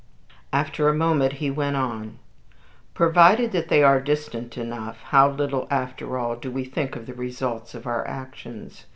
After a moment he went on, "Provided that they are distant enough, how little, after all, do we think of the results of our actions!